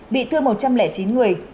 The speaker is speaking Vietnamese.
bị thương một trăm linh chín người